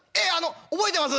覚えてます？」。